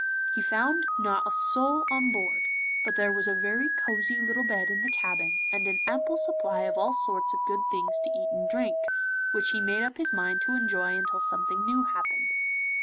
He found not a soul on board, but there was a very cosy little bed in the cabin, and an ample supply of all sorts of good things to eat and drink, which he made up his mind to enjoy until something new happened.